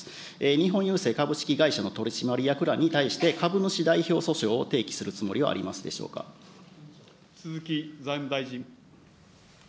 日本郵政株式会社の取締役らに対して株主代表訴訟を提起するつも鈴木財務大臣。